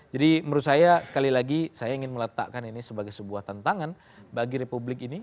jadi menurut saya sekali lagi saya ingin meletakkan ini sebagai sebuah tantangan bagi republik ini